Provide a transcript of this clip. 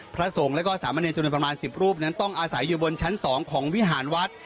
พระสงฆ์แล้วก็สามเนรจำนวนประมาณ๑๐รูปนั้นต้องอาศัยอยู่บนชั้น๒ของวิหารวัด